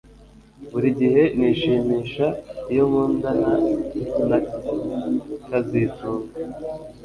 Buri gihe nishimisha iyo nkundana na kazitunga